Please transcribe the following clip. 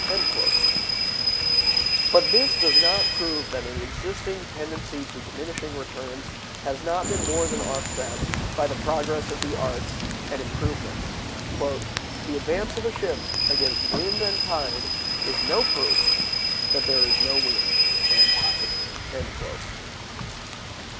(182) But this does not prove that an existing tendency to diminishing returns has not been more than offset by the progress of the arts and improvements. "The advance of a ship against wind and tide is [no] proof that there is no wind and tide."